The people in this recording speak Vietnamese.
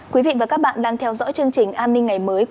quý vị và các bạn đang theo dõi chương trình an ninh ngày mới của